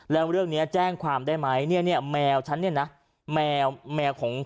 แล้วเรื่องนี้แจ้งความได้ไหม